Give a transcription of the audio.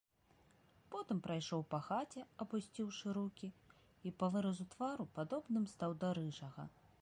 Потым прайшоў па хаце, апусціўшы рукі, і па выразу твару падобным стаў да рыжага.